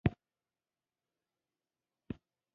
باسواده نجونې د ټپونو پانسمان کوي.